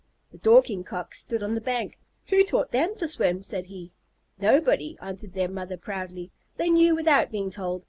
The Dorking Cock stood on the bank. "Who taught them to swim?" said he. "Nobody," answered their mother proudly. "They knew without being told.